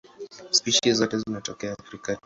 Spishi zote zinatokea Afrika tu.